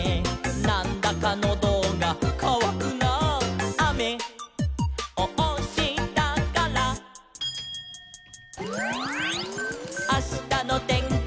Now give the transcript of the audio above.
「『なんだかノドがかわくなあ』」「あめをおしたから」「あしたのてんきは」